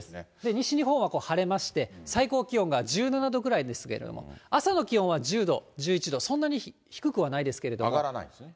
西日本は晴れまして、最高気温が１７度ぐらいですけども、朝の気温は１０度、１１度、上がらないんですね。